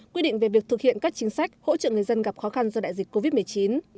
quy định về việc thực hiện các chính sách hỗ trợ người dân gặp khó khăn do đại dịch covid một mươi chín